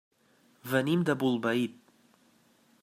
Venim de Bolbait.